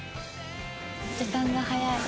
時間が早い。